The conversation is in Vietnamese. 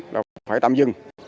là phải tạm dừng